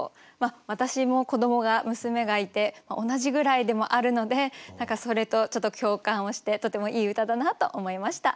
私も子どもが娘がいて同じぐらいでもあるので何かそれとちょっと共感をしてとてもいい歌だなと思いました。